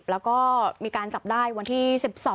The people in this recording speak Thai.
แล้วก็มีการจับได้วันที่๑๒